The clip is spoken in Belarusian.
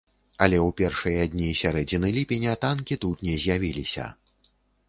Але ў першыя дні сярэдзіны ліпеня танкі тут не з'явіліся.